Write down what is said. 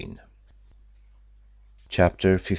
CHAPTER XV.